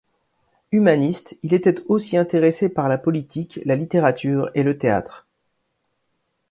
Humaniste, il était aussi intéressé par la politique, la littérature et le théâtre.